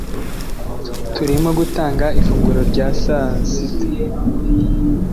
Turimo gutanga ifunguro rya saa sita